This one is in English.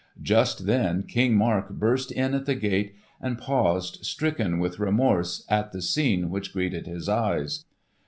Just then King Mark burst in at the gate, and paused stricken with remorse at the scene which greeted his eyes.